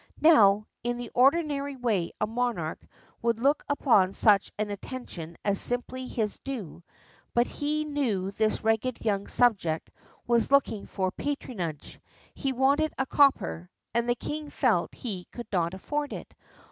Now in the ordinary way a monarch would look upon such an attention as simply his due, but he knew this ragged young subject was looking for patronage; he wanted a copper, and the king felt he could not afford it.